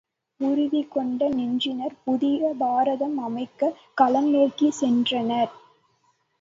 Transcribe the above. உறுதி கொண்ட நெஞ்சினர் புதிய பாரதம் அமைக்கக் களம் நோக்கிச் சென்றனர்.